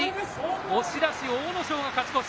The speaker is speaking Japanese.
押し出し、阿武咲が勝ち越し。